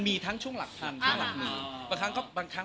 ทีละพันหรอมัน